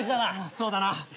そうだな。